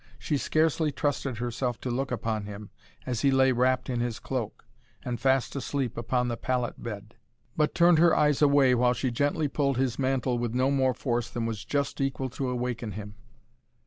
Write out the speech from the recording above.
She scarcely trusted herself to look upon him, as he lay wrapped in his cloak, and fast asleep upon the pallet bed, but turned her eyes away while she gently pulled his mantle with no more force than was just equal to awaken him.